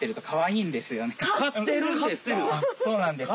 あっそうなんです。